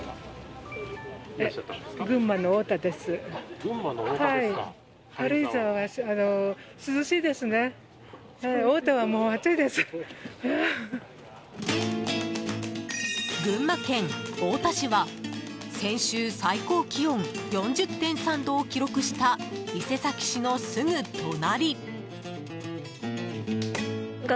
群馬県太田市は先週、最高気温４０．３度を記録した伊勢崎市のすぐ隣。